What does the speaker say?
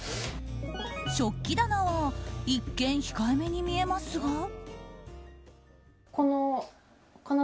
食器棚は一見控えめに見えますが。